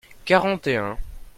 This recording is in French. quarante et un.